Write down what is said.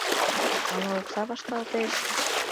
Ала окса вашталтеш?